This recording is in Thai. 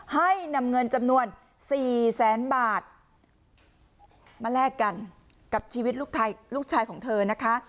ให้นำเงินจำนวนสี่แสนบาทมาแลกกันกับชีวิตลูกชายของเธอนะคะ